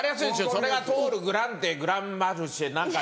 それがトールグランデグランマルシェ何か。